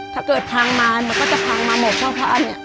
ถ้าเกิดพังมามันก็จะพังมาหมดเพราะว่า